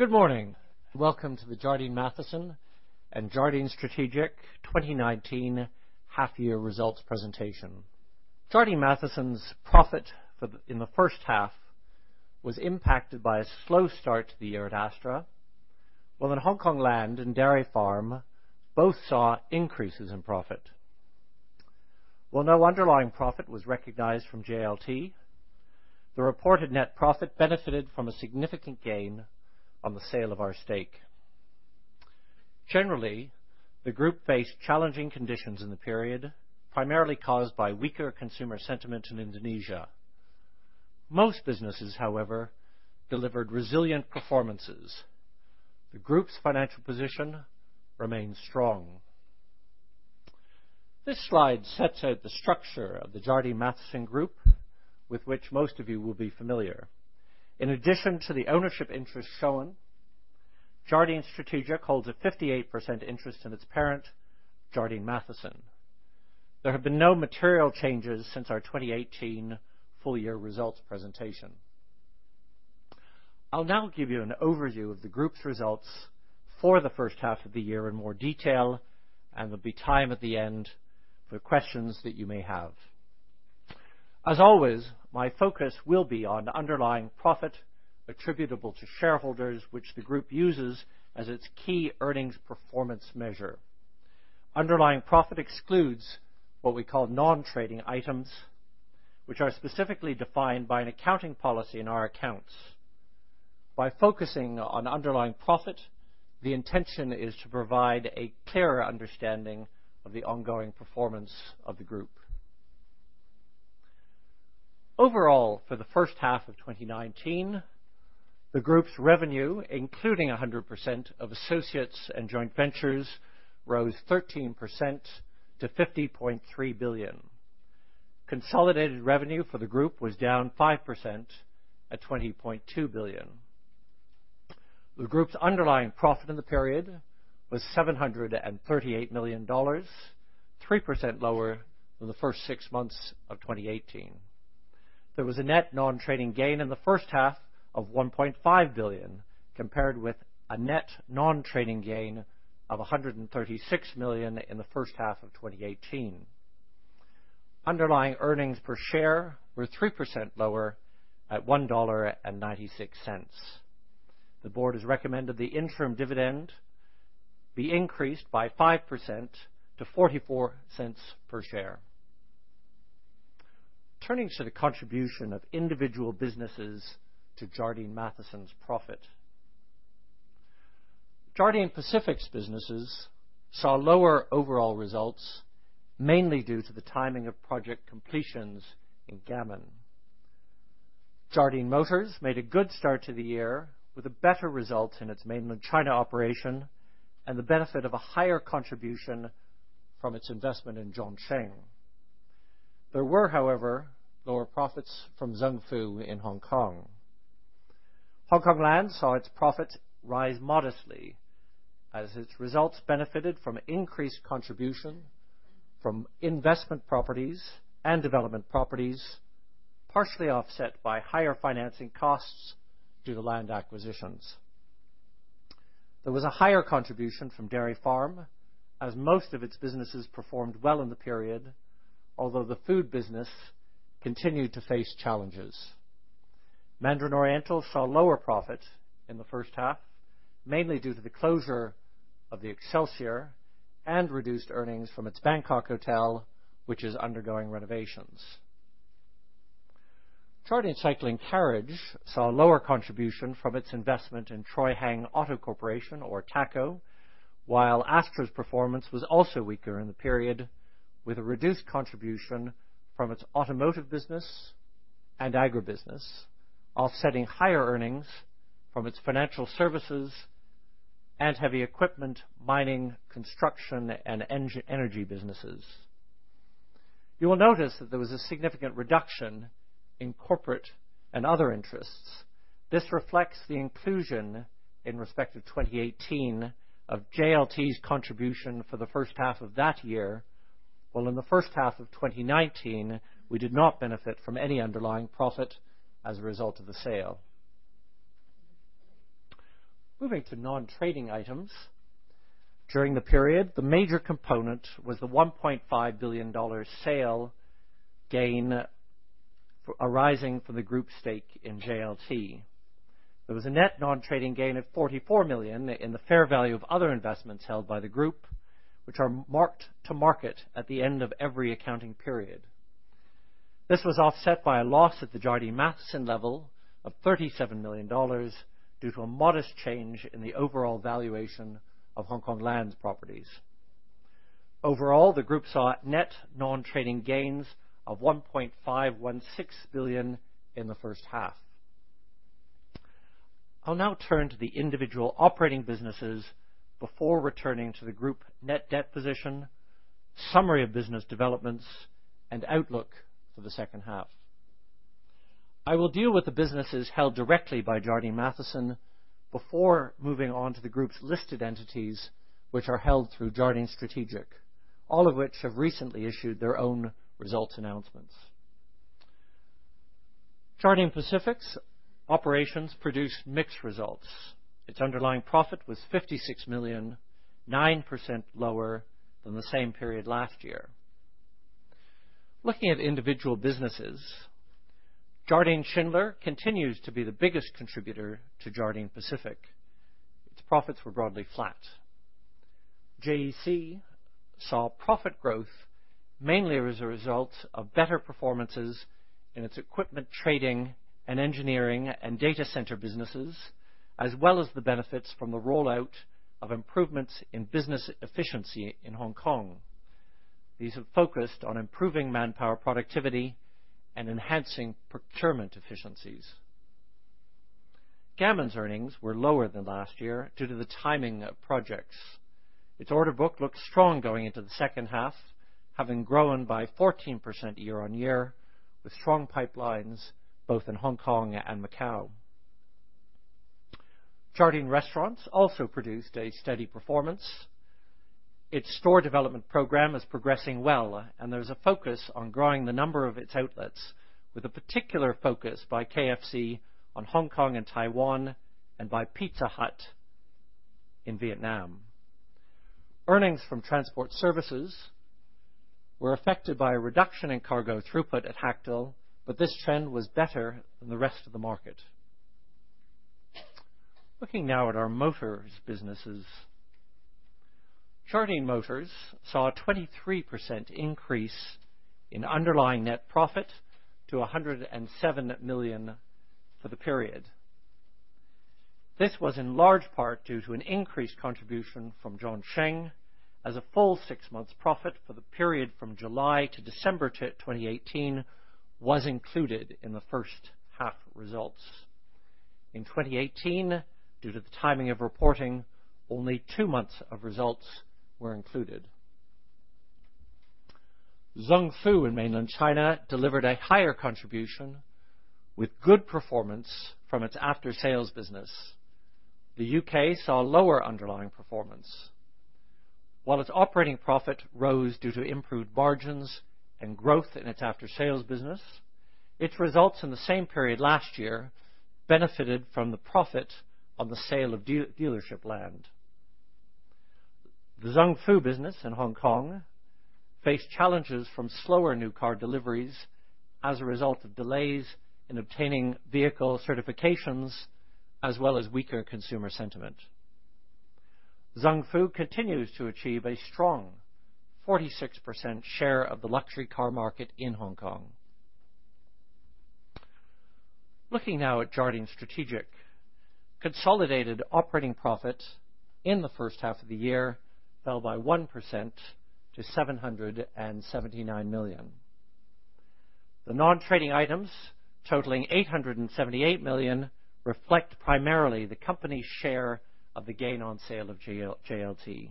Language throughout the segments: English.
Good morning. Welcome to the Jardine Matheson and Jardine Strategic 2019 half-year results presentation. Jardine Matheson's profit in the first half was impacted by a slow start to the year at Astra, while in Hongkong Land and Dairy Farm both saw increases in profit. While no underlying profit was recognized from JLT, the reported net profit benefited from a significant gain on the sale of our stake. Generally, the group faced challenging conditions in the period, primarily caused by weaker consumer sentiment in Indonesia. Most businesses, however, delivered resilient performances. The group's financial position remains strong. This slide sets out the structure of the Jardine Matheson Group, with which most of you will be familiar. In addition to the ownership interest shown, Jardine Strategic holds a 58% interest in its parent, Jardine Matheson. There have been no material changes since our 2018 full-year results presentation. I'll now give you an overview of the group's results for the first half of the year in more detail, and there'll be time at the end for questions that you may have. As always, my focus will be on underlying profit attributable to shareholders, which the group uses as its key earnings performance measure. Underlying profit excludes what we call non-trading items, which are specifically defined by an accounting policy in our accounts. By focusing on underlying profit, the intention is to provide a clearer understanding of the ongoing performance of the group. Overall, for the first half of 2019, the group's revenue, including 100% of associates and joint ventures, rose 13% to $50.3 billion. Consolidated revenue for the group was down 5% at $20.2 billion. The group's underlying profit in the period was $738 million, 3% lower than the first six months of 2018. There was a net non-trading gain in the first half of $1.5 billion, compared with a net non-trading gain of $136 million in the first half of 2018. Underlying earnings per share were 3% lower at $1.96. The board has recommended the interim dividend be increased by 5% to $0.44 per share. Turning to the contribution of individual businesses to Jardine Matheson's profit, Jardine Pacific's businesses saw lower overall results, mainly due to the timing of project completions in Gammon. Jardine Motors made a good start to the year with a better result in its Mainland China operation and the benefit of a higher contribution from its investment in Zhongsheng. There were, however, lower profits from Zung Fu in Hong Kong. Hongkong Land saw its profit rise modestly, as its results benefited from increased contribution from investment properties and development properties, partially offset by higher financing costs due to land acquisitions. There was a higher contribution from Dairy Farm, as most of its businesses performed well in the period, although the food business continued to face challenges. Mandarin Oriental saw lower profit in the first half, mainly due to the closure of the Excelsior and reduced earnings from its Bangkok hotel, which is undergoing renovations. Jardine Cycle & Carriage saw a lower contribution from its investment in THACO, while Astra's performance was also weaker in the period, with a reduced contribution from its automotive business and agribusiness, offsetting higher earnings from its financial services and heavy equipment, mining, construction, and energy businesses. You will notice that there was a significant reduction in corporate and other interests. This reflects the inclusion in respect of 2018 of JLT's contribution for the first half of that year, while in the first half of 2019, we did not benefit from any underlying profit as a result of the sale. Moving to non-trading items, during the period, the major component was the $1.5 billion sale gain arising from the group stake in JLT. There was a net non-trading gain of $44 million in the fair value of other investments held by the group, which are marked to market at the end of every accounting period. This was offset by a loss at the Jardine Matheson level of $37 million due to a modest change in the overall valuation of Hongkong Land's properties. Overall, the group saw net non-trading gains of $1.516 billion in the first half. I'll now turn to the individual operating businesses before returning to the group net debt position, summary of business developments, and outlook for the second half. I will deal with the businesses held directly by Jardine Matheson before moving on to the group's listed entities, which are held through Jardine Strategic, all of which have recently issued their own results announcements. Jardine Pacific's operations produced mixed results. Its underlying profit was $56 million, 9% lower than the same period last year. Looking at individual businesses, Jardine Schindler continues to be the biggest contributor to Jardine Pacific. Its profits were broadly flat. JEC saw profit growth mainly as a result of better performances in its equipment trading and engineering and data center businesses, as well as the benefits from the rollout of improvements in business efficiency in Hong Kong. These have focused on improving manpower productivity and enhancing procurement efficiencies. Gammon's earnings were lower than last year due to the timing of projects. Its order book looked strong going into the second half, having grown by 14% year on year with strong pipelines both in Hong Kong and Macau. Jardine Restaurants also produced a steady performance. Its store development program is progressing well, and there's a focus on growing the number of its outlets, with a particular focus by KFC on Hong Kong and Taiwan and by Pizza Hut in Vietnam. Earnings from transport services were affected by a reduction in cargo throughput at Hactl, but this trend was better than the rest of the market. Looking now at our motors businesses, Jardine Motors saw a 23% increase in underlying net profit to $107 million for the period. This was in large part due to an increased contribution from Zhongsheng, as a full six-month profit for the period from July to December 2018 was included in the first half results. In 2018, due to the timing of reporting, only two months of results were included. Zung Fu in Mainland China delivered a higher contribution with good performance from its after-sales business. The U.K. saw lower underlying performance. While its operating profit rose due to improved margins and growth in its after-sales business, its results in the same period last year benefited from the profit on the sale of dealership land. The Zung Fu business in Hong Kong faced challenges from slower new car deliveries as a result of delays in obtaining vehicle certifications, as well as weaker consumer sentiment. Zung Fu continues to achieve a strong 46% share of the luxury car market in Hong Kong. Looking now at Jardine Strategic, consolidated operating profit in the first half of the year fell by 1% to $779 million. The non-trading items totaling $878 million reflect primarily the company's share of the gain on sale of JLT.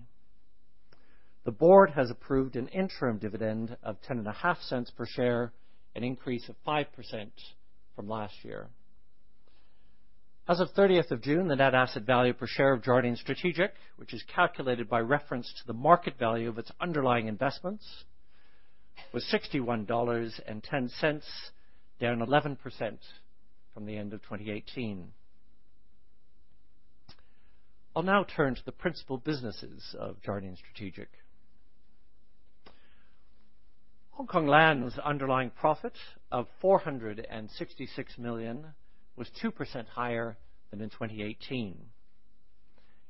The board has approved an interim dividend of $0.105 per share, an increase of 5% from last year. As of 30th of June, the net asset value per share of Jardine Strategic, which is calculated by reference to the market value of its underlying investments, was $61.10, down 11% from the end of 2018. I'll now turn to the principal businesses of Jardine Strategic. Hongkong Land's underlying profit of $466 million was 2% higher than in 2018.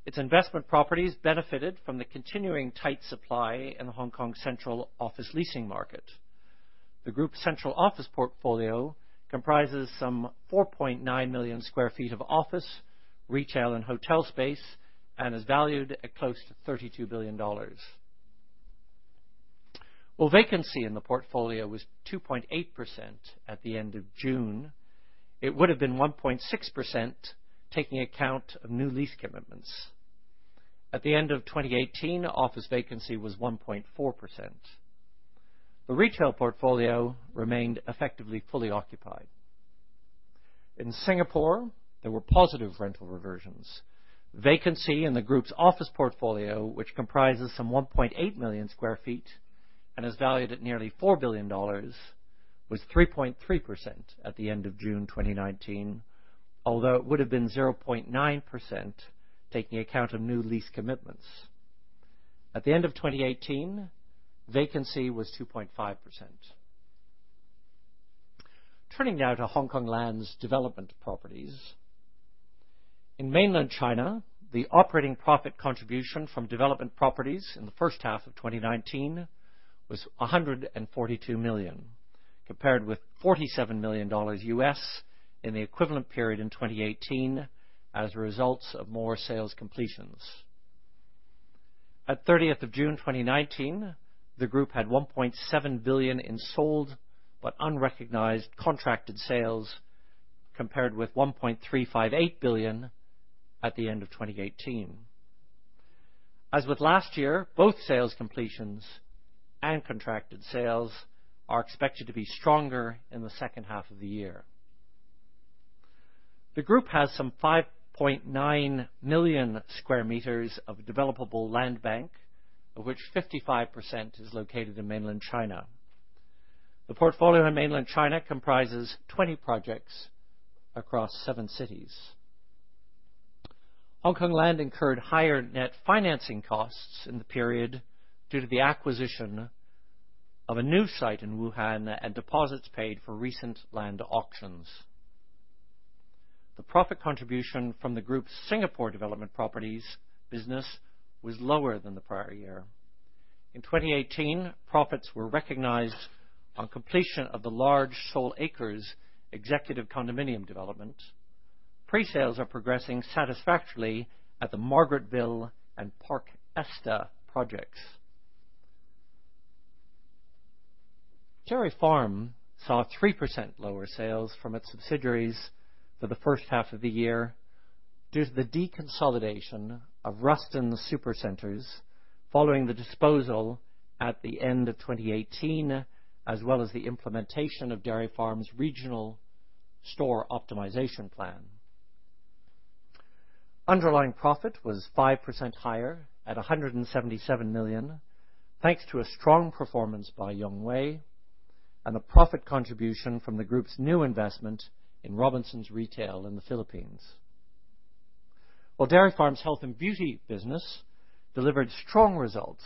Its investment properties benefited from the continuing tight supply in the Hong Kong central office leasing market. The group's central office portfolio comprises some 4.9 million sq ft of office, retail, and hotel space, and is valued at close to $32 billion. While vacancy in the portfolio was 2.8% at the end of June, it would have been 1.6% taking account of new lease commitments. At the end of 2018, office vacancy was 1.4%. The retail portfolio remained effectively fully occupied. In Singapore, there were positive rental reversions. Vacancy in the group's office portfolio, which comprises some 1.8 million sq ft and is valued at nearly $4 billion, was 3.3% at the end of June 2019, although it would have been 0.9% taking account of new lease commitments. At the end of 2018, vacancy was 2.5%. Turning now to Hongkong Land's development properties. In Mainland China, the operating profit contribution from development properties in the first half of 2019 was $142 million, compared with $47 million in the equivalent period in 2018 as a result of more sales completions. At 30th of June 2019, the group had $1.7 billion in sold but unrecognized contracted sales, compared with $1.358 billion at the end of 2018. As with last year, both sales completions and contracted sales are expected to be stronger in the second half of the year. The group has some 5.9 million sq m of developable land bank, of which 55% is located in Mainland China. The portfolio in Mainland China comprises 20 projects across seven cities. Hongkong Land incurred higher net financing costs in the period due to the acquisition of a new site in Wuhan and deposits paid for recent land auctions. The profit contribution from the group's Singapore development properties business was lower than the prior year. In 2018, profits were recognized on completion of the large Sol Acres executive condominium development. Pre-sales are progressing satisfactorily at the Margaret Ville and Parc Esta projects. Dairy Farm saw 3% lower sales from its subsidiaries for the first half of the year due to the deconsolidation of Rustan's Supercenters following the disposal at the end of 2018, as well as the implementation of Dairy Farm's regional store optimization plan. Underlying profit was 5% higher at $177 million, thanks to a strong performance by Yonghui and the profit contribution from the group's new investment in Robinsons Retail in the Philippines. While Dairy Farm's health and beauty business delivered strong results,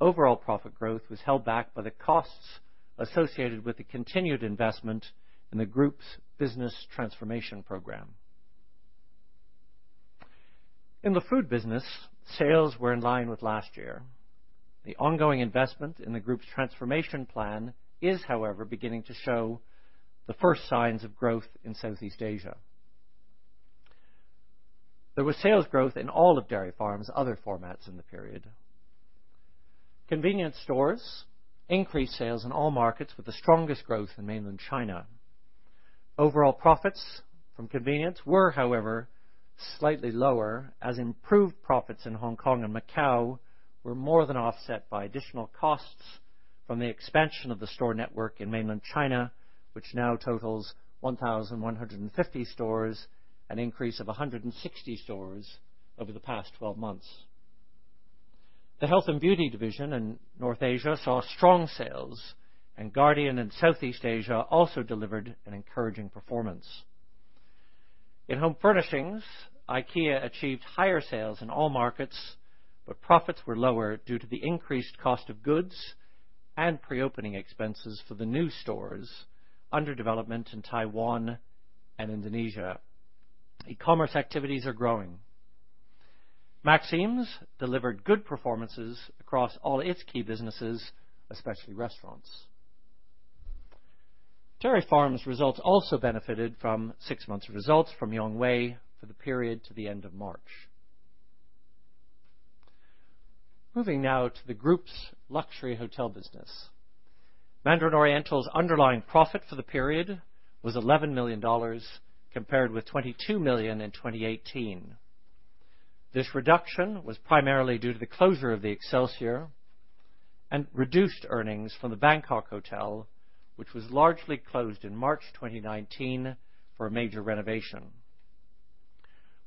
overall profit growth was held back by the costs associated with the continued investment in the group's business transformation program. In the food business, sales were in line with last year. The ongoing investment in the group's transformation plan is, however, beginning to show the first signs of growth in Southeast Asia. There was sales growth in all of Dairy Farm's other formats in the period. Convenience stores increased sales in all markets with the strongest growth in Mainland China. Overall profits from convenience were, however, slightly lower, as improved profits in Hong Kong and Macau were more than offset by additional costs from the expansion of the store network in Mainland China, which now totals 1,150 stores, an increase of 160 stores over the past 12 months. The health and beauty division in North Asia saw strong sales, and Guardian in Southeast Asia also delivered an encouraging performance. In home furnishings, IKEA achieved higher sales in all markets, but profits were lower due to the increased cost of goods and pre-opening expenses for the new stores under development in Taiwan and Indonesia. E-commerce activities are growing. Maxim's delivered good performances across all its key businesses, especially restaurants. Dairy Farm's results also benefited from six months of results from Yonghui for the period to the end of March. Moving now to the group's luxury hotel business. Mandarin Oriental's underlying profit for the period was $11 million, compared with $22 million in 2018. This reduction was primarily due to the closure of the Excelsior and reduced earnings from the Bangkok hotel, which was largely closed in March 2019 for a major renovation.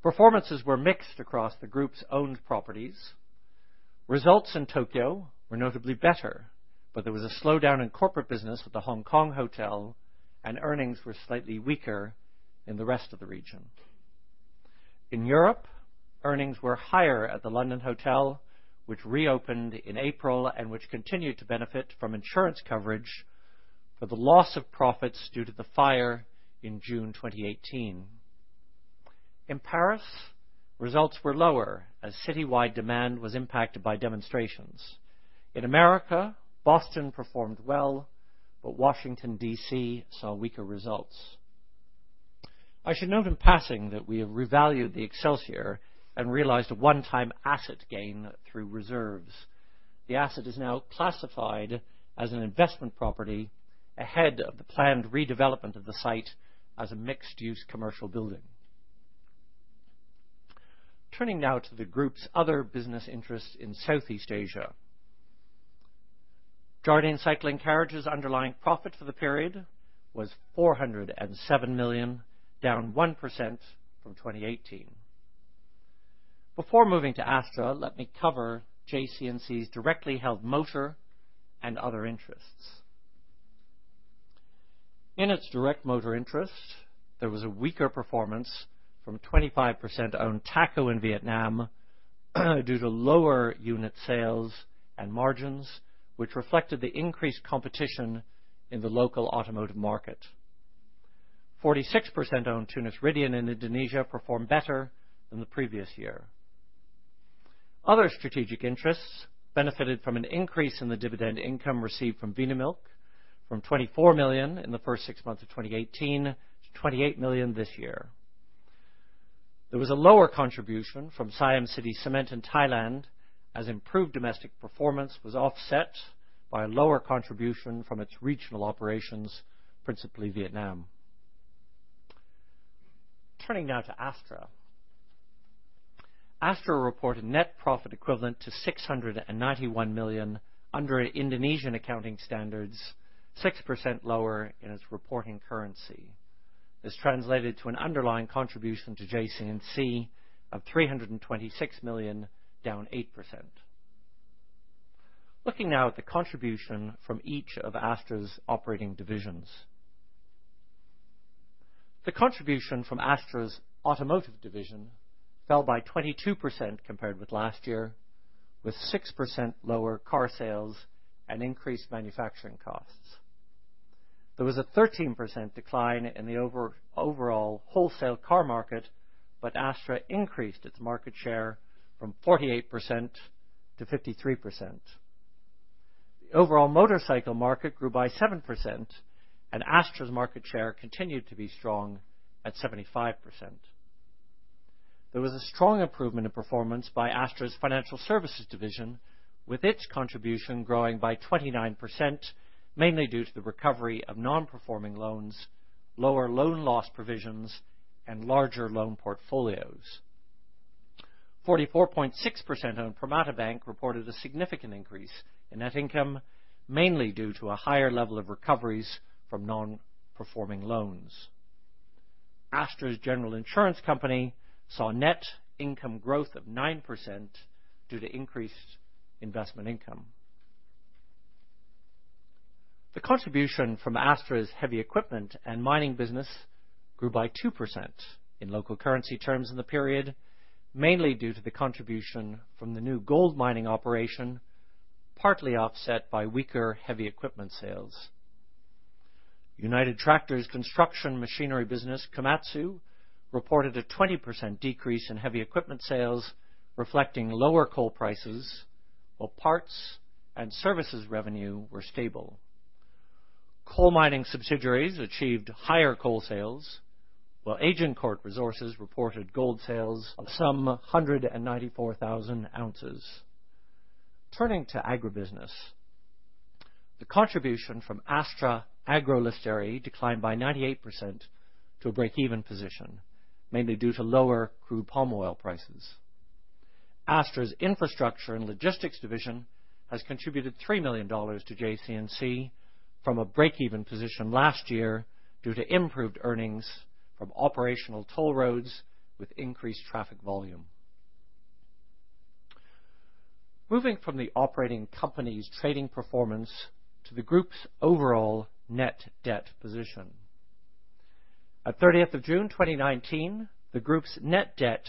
Performances were mixed across the group's owned properties. Results in Tokyo were notably better, but there was a slowdown in corporate business at the Hong Kong hotel, and earnings were slightly weaker in the rest of the region. In Europe, earnings were higher at the London hotel, which reopened in April and which continued to benefit from insurance coverage for the loss of profits due to the fire in June 2018. In Paris, results were lower as citywide demand was impacted by demonstrations. In America, Boston performed well, but Washington, D.C. saw weaker results. I should note in passing that we have revalued the Excelsior and realized a one-time asset gain through reserves. The asset is now classified as an investment property ahead of the planned redevelopment of the site as a mixed-use commercial building. Turning now to the group's other business interests in Southeast Asia. Jardine Cycle & Carriage's underlying profit for the period was $407 million, down 1% from 2018. Before moving to Astra, let me cover JC&C's directly held motor and other interests. In its direct motor interest, there was a weaker performance from 25% owned THACO in Vietnam due to lower unit sales and margins, which reflected the increased competition in the local automotive market. 46% owned PT Tunas Ridean in Indonesia performed better than the previous year. Other strategic interests benefited from an increase in the dividend income received from Vinamilk from $24 million in the first six months of 2018 to $28 million this year. There was a lower contribution from Siam City Cement in Thailand as improved domestic performance was offset by a lower contribution from its regional operations, principally Vietnam. Turning now to Astra. Astra reported net profit equivalent to $691 million under Indonesian accounting standards, 6% lower in its reporting currency. This translated to an underlying contribution to JC&C of $326 million, down 8%. Looking now at the contribution from each of Astra's operating divisions. The contribution from Astra's automotive division fell by 22% compared with last year, with 6% lower car sales and increased manufacturing costs. There was a 13% decline in the overall wholesale car market, but Astra increased its market share from 48% to 53%. The overall motorcycle market grew by 7%, and Astra's market share continued to be strong at 75%. There was a strong improvement in performance by Astra's financial services division, with its contribution growing by 29%, mainly due to the recovery of non-performing loans, lower loan loss provisions, and larger loan portfolios. 44.6% owned Permata Bank reported a significant increase in net income, mainly due to a higher level of recoveries from non-performing loans. Astra's general insurance company saw net income growth of 9% due to increased investment income. The contribution from Astra's heavy equipment and mining business grew by 2% in local currency terms in the period, mainly due to the contribution from the new gold mining operation, partly offset by weaker heavy equipment sales. United Tractors' construction machinery business, Komatsu, reported a 20% decrease in heavy equipment sales, reflecting lower coal prices, while parts and services revenue were stable. Coal mining subsidiaries achieved higher coal sales, while Agincourt Resources reported gold sales of some 194,000 ounces. Turning to agribusiness. The contribution from Astra Agro Lestari declined by 98% to a break-even position, mainly due to lower crude palm oil prices. Astra's infrastructure and logistics division has contributed $3 million to JC&C from a break-even position last year due to improved earnings from operational toll roads with increased traffic volume. Moving from the operating company's trading performance to the group's overall net debt position. At 30th of June 2019, the group's net debt,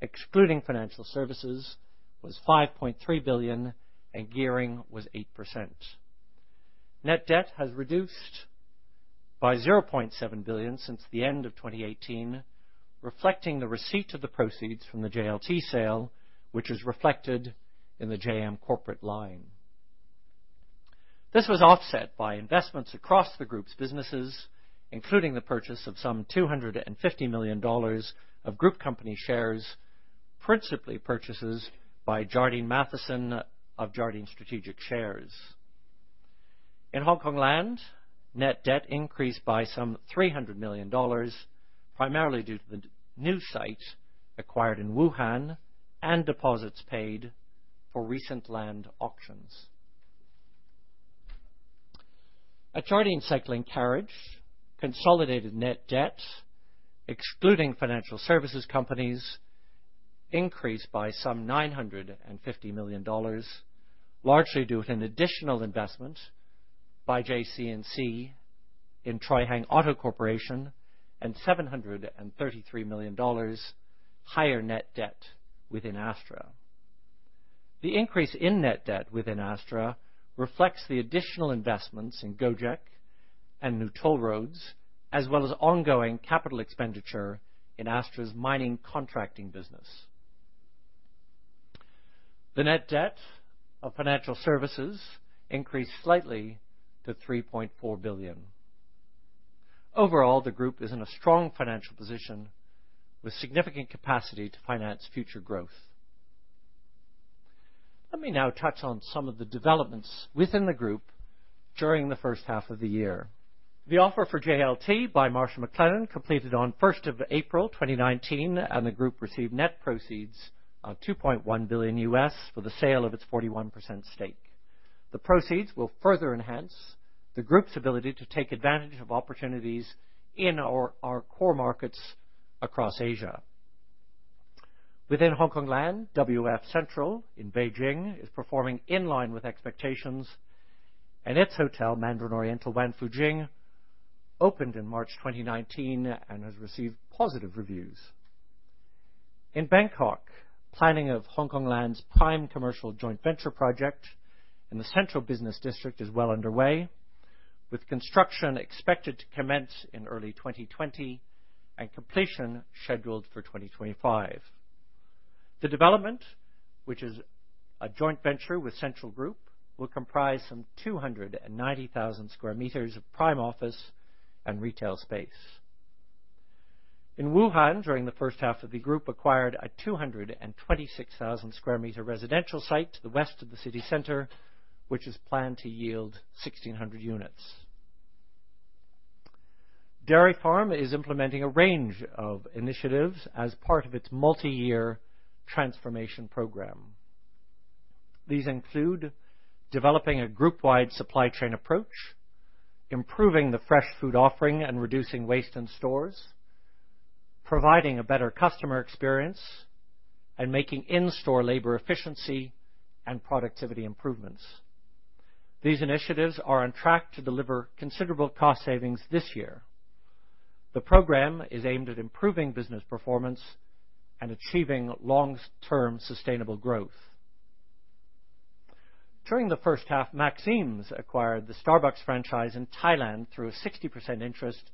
excluding financial services, was $5.3 billion, and gearing was 8%. Net debt has reduced by $0.7 billion since the end of 2018, reflecting the receipt of the proceeds from the JLT sale, which is reflected in the JM corporate line. This was offset by investments across the group's businesses, including the purchase of some $250 million of group company shares, principally purchases by Jardine Matheson of Jardine Strategic shares. In Hongkong Land, net debt increased by some $300 million, primarily due to the new site acquired in Wuhan and deposits paid for recent land auctions. At Jardine Cycle & Carriage, consolidated net debt, excluding financial services companies, increased by some $950 million, largely due to an additional investment by JC&C in THACO and $733 million higher net debt within Astra. The increase in net debt within Astra reflects the additional investments in Gojek and new toll roads, as well as ongoing capital expenditure in Astra's mining contracting business. The net debt of financial services increased slightly to $3.4 billion. Overall, the group is in a strong financial position with significant capacity to finance future growth. Let me now touch on some of the developments within the group during the first half of the year. The offer for JLT by Marsh McLennan completed on 1st of April 2019, and the group received net proceeds of $2.1 billion for the sale of its 41% stake. The proceeds will further enhance the group's ability to take advantage of opportunities in our core markets across Asia. Within Hongkong Land, WF Central in Beijing is performing in line with expectations, and its hotel, Mandarin Oriental Wangfujing, opened in March 2019 and has received positive reviews. In Bangkok, planning of Hongkong Land's prime commercial joint venture project in the Central Business District is well underway, with construction expected to commence in early 2020 and completion scheduled for 2025. The development, which is a joint venture with Central Group, will comprise some 290,000 sq m of prime office and retail space. In Wuhan, during the first half, the group acquired a 226,000 sq m residential site to the west of the city center, which is planned to yield 1,600 units. Dairy Farm is implementing a range of initiatives as part of its multi-year transformation program. These include developing a group-wide supply chain approach, improving the fresh food offering and reducing waste in stores, providing a better customer experience, and making in-store labor efficiency and productivity improvements. These initiatives are on track to deliver considerable cost savings this year. The program is aimed at improving business performance and achieving long-term sustainable growth. During the first half, Maxim's acquired the Starbucks franchise in Thailand through a 60% interest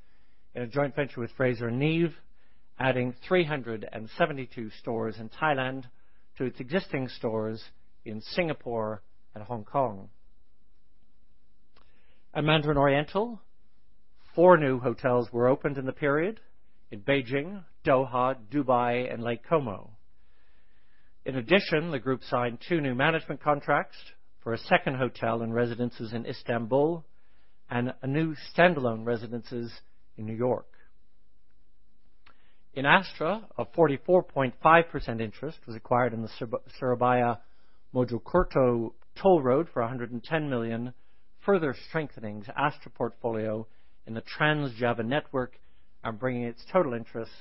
in a joint venture with Fraser and Neave, adding 372 stores in Thailand to its existing stores in Singapore and Hong Kong. At Mandarin Oriental, four new hotels were opened in the period in Beijing, Doha, Dubai, and Lake Como. In addition, the group signed two new management contracts for a second hotel and residences in Istanbul and a new standalone residences in New York. In Astra, a 44.5% interest was acquired in the Surabaya-Mojokerto Toll Road for $110 million, further strengthening the Astra portfolio in the Trans Java network and bringing its total interest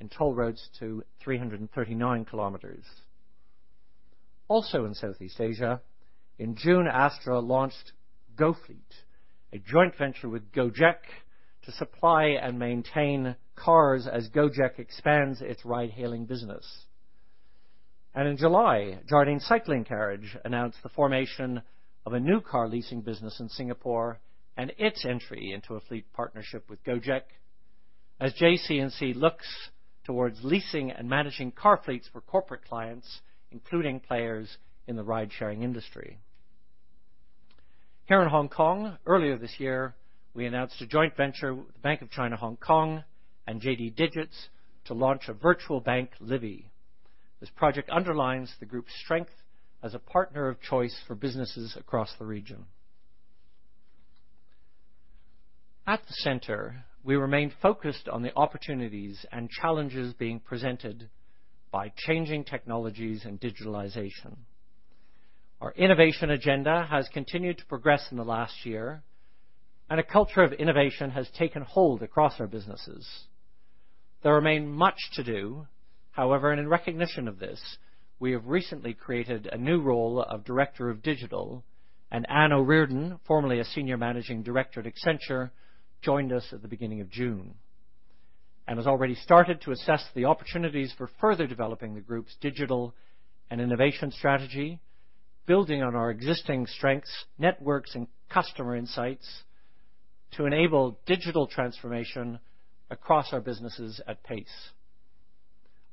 in toll roads to 339 km. Also in Southeast Asia, in June, Astra launched GoFleet, a joint venture with Gojek to supply and maintain cars as Gojek expands its ride-hailing business. In July, Jardine Cycle & Carriage announced the formation of a new car leasing business in Singapore and its entry into a fleet partnership with Gojek as JC&C looks towards leasing and managing car fleets for corporate clients, including players in the ride-sharing industry. Here in Hong Kong, earlier this year, we announced a joint venture with Bank of China Hong Kong and JD Digits to launch a virtual bank, Livi. This project underlines the group's strength as a partner of choice for businesses across the region. At the center, we remained focused on the opportunities and challenges being presented by changing technologies and digitalization. Our innovation agenda has continued to progress in the last year, and a culture of innovation has taken hold across our businesses. There remains much to do. However, in recognition of this, we have recently created a new role of Director of Digital, and Anna O'Riordan, formerly a Senior Managing Director at Accenture, joined us at the beginning of June. She has already started to assess the opportunities for further developing the group's digital and innovation strategy, building on our existing strengths, networks, and customer insights to enable digital transformation across our businesses at pace.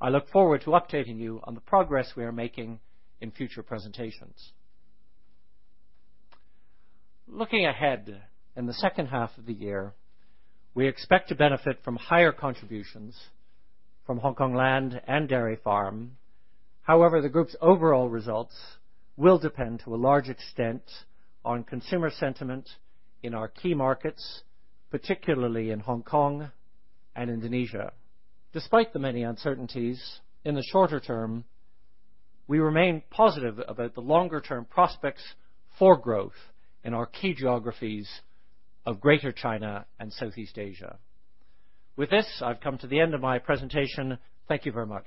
I look forward to updating you on the progress we are making in future presentations. Looking ahead in the second half of the year, we expect to benefit from higher contributions from Hongkong Land and Dairy Farm. However, the group's overall results will depend to a large extent on consumer sentiment in our key markets, particularly in Hong Kong and Indonesia. Despite the many uncertainties in the shorter term, we remain positive about the longer-term prospects for growth in our key geographies of Greater China and Southeast Asia. With this, I've come to the end of my presentation. Thank you very much.